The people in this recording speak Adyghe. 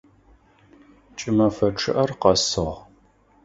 Кӏымэфэ чъыӏэр къэсыгъ.